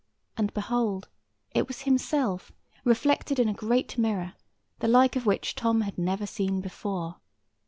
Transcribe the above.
And behold, it was himself, reflected in a great mirror, the like of which Tom had never seen before.